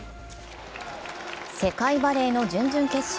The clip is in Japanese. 世界バレーの準々決勝。